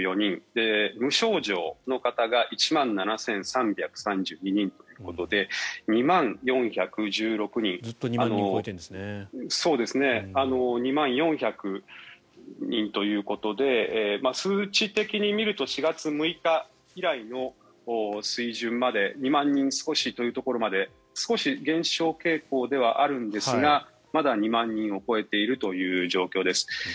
無症状の方が１万７３３２人ということで２万４１６人ということで数字的に見ると４月６日以来の水準まで２万人少しというところまで少し減少傾向ではあるんですがまだ２万人を超えているという状況です。